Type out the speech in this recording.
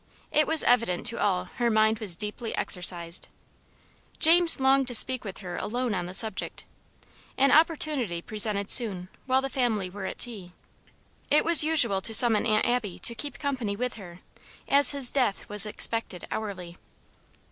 It was evident to all her mind was deeply exercised. James longed to speak with her alone on the subject. An opportunity presented soon, while the family were at tea. It was usual to summon Aunt Abby to keep company with her, as his death was expected hourly.